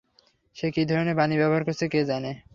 সে কী ধরনের পানি ব্যবহার করছে কে জানে।